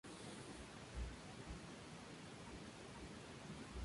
Las aves jóvenes tienen el pico rojizo con la punta blanquecina.